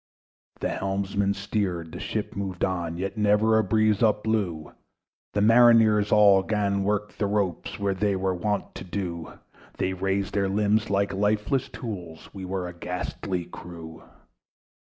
The helmsman steered, the ship moved on; Yet never a breeze up blew; The mariners all 'gan work the ropes, Where they were wont to do: They raised their limbs like lifeless tools We were a ghastly crew.